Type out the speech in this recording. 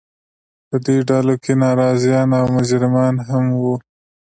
په دې ډلو کې ناراضیان او مجرمان هم وو.